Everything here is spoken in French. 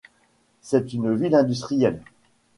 C'est une ville industrielle.